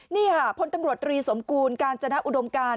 นี่ค่ะพอร์ตำรวจธรียสมกูลการจนธุ์อุดมการ